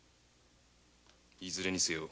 いずれにせよ。